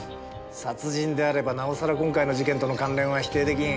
殺人であればなおさら今回の事件との関連は否定出来ん。